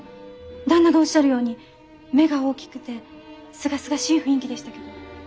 旦那がおっしゃるように目が大きくて清々しい雰囲気でしたけど。